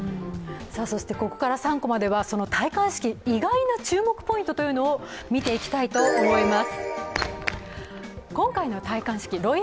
そしてここから３コマでは戴冠式意外な注目ポイントを見ていきたいと思います。